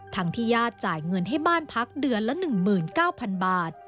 ที่ญาติจ่ายเงินให้บ้านพักเดือนละ๑๙๐๐บาท